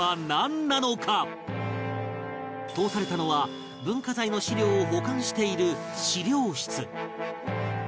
通されたのは文化財の資料を保管している資料室